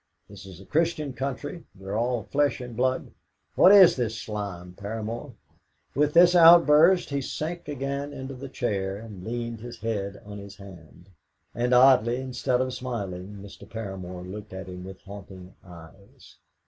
This is a Christian country; we are all flesh and blood. What is this slime, Paramor?" With this outburst he sank again into the chair, and leaned his head on his hand. And oddly, instead of smiling, Mr. Paramor looked at him with haunting eyes.